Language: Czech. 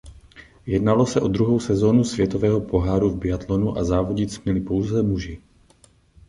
Jednalo se o druhou sezónu Světového poháru v biatlonu a závodit směli pouze muži.